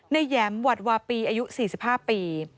นายแยมหวัดหวาปีอายุ๔๕ปี